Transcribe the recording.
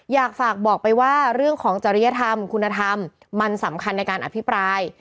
อยากฝากบอกไปว่าเรื่องของจริยธรรมคุณธรรมมันสำคัญในการอภิปราย